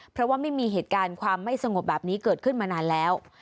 เพราะว่าไม่มีเหตุการณ์ความไม่สงบแบบนี้เกิดขึ้นมานานแล้ว